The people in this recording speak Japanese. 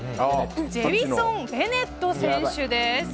ジェウィソン・ベネット選手です。